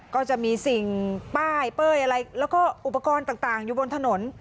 ก็จะมีสิ่งป้ายเป้ยอะไรแล้วก็อุปกรณ์ต่างอยู่บนถนน